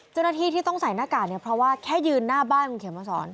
เจ้าหน้าที่ที่ต้องใส่หน้ากากเนี่ยเพราะว่าแค่ยืนหน้าบ้านคุณเขมมาสอน